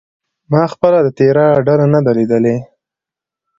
ما پخپله د تیراه ډله نه ده لیدلې.